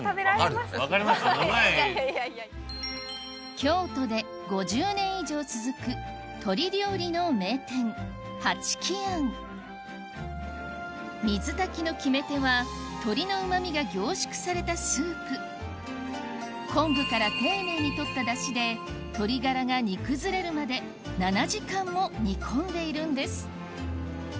京都で５０年以上続く水炊きの決め手は鶏のうま味が凝縮されたスープ昆布から丁寧に取っただしで鶏ガラが煮崩れるまで７時間も煮込んでいるんです